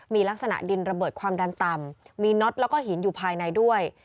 มีลักษณะดินระเบิดความดันต่ำมีน็อตแล้วก็หินอยู่ภายในด้วย